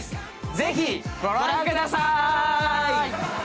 ぜひご覧くださーい。